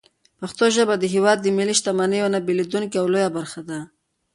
پښتو ژبه د هېواد د ملي شتمنۍ یوه نه بېلېدونکې او لویه برخه ده.